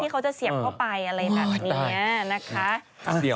ดีกว่าจะเทียบเข้าไปอะไรแบบนี้